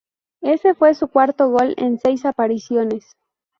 Ese fue su cuarto gol en seis apariciones.